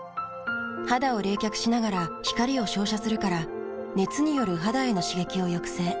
肌を冷却しながら光を照射するから熱による肌への刺激を抑制。